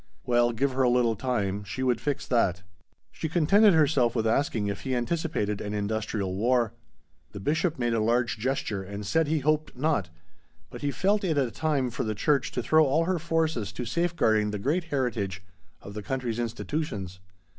Well, give her a little time, she would fix that! She contented herself with asking if he anticipated an industrial war. The Bishop made a large gesture and said he hoped not, but he felt it a time for the church to throw all her forces to safeguarding the great heritage of the country's institutions.